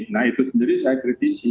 nah itu sendiri saya kritisi